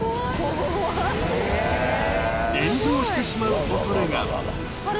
炎上してしまうおそれが。